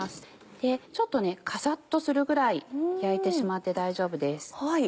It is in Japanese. でちょっとカサっとするぐらい焼いてしまって大丈夫です。